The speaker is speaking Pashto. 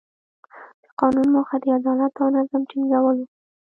د قانون موخه د عدالت او نظم ټینګول وو.